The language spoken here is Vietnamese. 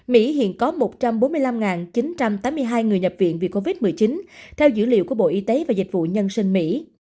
mỹ hiện có một trăm bốn mươi năm chín trăm tám mươi hai người nhập viện vì covid một mươi chín theo dữ liệu của bộ y tế và dịch vụ nhân sinh mỹ